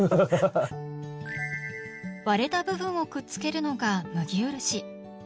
割れた部分をくっつけるのが「麦漆」。